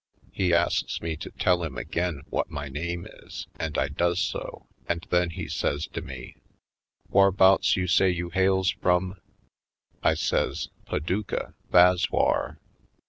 He asks me to tell him again what my name is and I does so, and then he says to me : "Whar'bouts you say you hails frum?" I says: "Paducah — tha's whar."